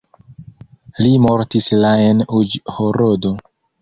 Li mortis la en Uĵhorodo.